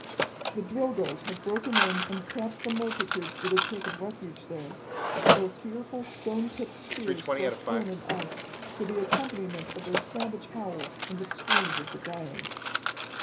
The Drilgoes had broken in and trapped the multitudes that had taken refuge there. Their fearful stone tipped spears thrust in and out, to the accompaniment of their savage howls and the screams of the dying.